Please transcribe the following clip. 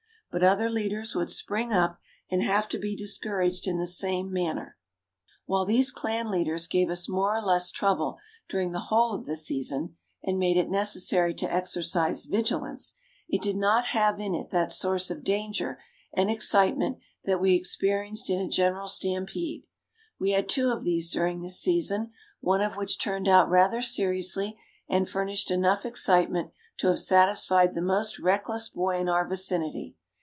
But other leaders would spring up and have to be discouraged in the same manner. While these clan leaders gave us more or less trouble during the whole of the season and made it necessary to exercise vigilance, it did not have in it that source of danger and excitement that we experienced in a general stampede. We had two of these during this season, one of which turned out rather seriously and furnished enough excitement to have satisfied the most reckless boy in our vicinity.